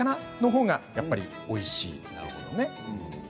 ほうがやっぱりおいしいんですよね。